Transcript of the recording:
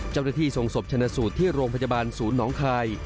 เจ้าหน้าที่ส่งศพชนะสูตรที่โรงพยาบาลศูนย์หนองคาย